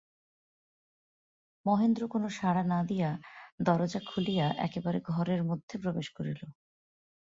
মহেন্দ্র কোনো সাড়া না দিয়া দরজা খুলিয়া একেবারে ঘরের মধ্যে প্রবেশ করিল।